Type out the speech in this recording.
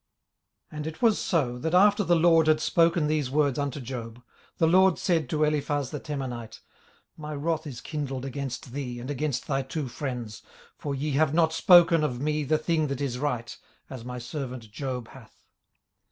18:042:007 And it was so, that after the LORD had spoken these words unto Job, the LORD said to Eliphaz the Temanite, My wrath is kindled against thee, and against thy two friends: for ye have not spoken of me the thing that is right, as my servant Job hath.